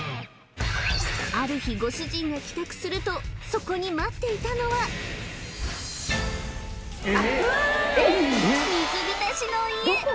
ある日ご主人が帰宅するとそこに待っていたのは水びたしの家！